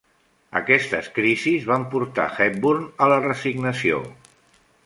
Aquestes crisis van portar Hepburn a la resignació.